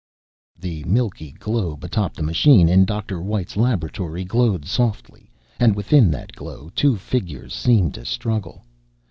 The milky globe atop the machine in Dr. White's laboratory glowed softly, and within that glow two figures seemed to struggle.